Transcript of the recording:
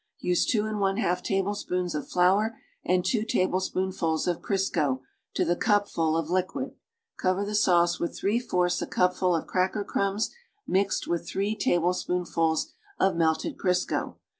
Use two and one half table spoonfuls of flour and two tablespoonfuls of Crisco to the cupful of liquid Cover the sauce with three fourths a cupful of cracker crums mixed with three tablespoonfuls of melted Crisco.